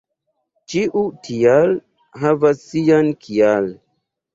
Ĉiu "tial" havas sian "kial."